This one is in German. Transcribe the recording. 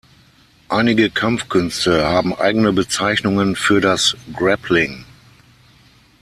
Einige Kampfkünste haben eigene Bezeichnungen für das Grappling.